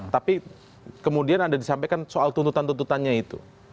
tapi kemudian ada disampaikan soal tuntutan tuntutannya itu